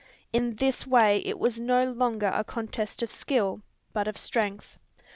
In this way it was no longer a contest of skill, but of strength.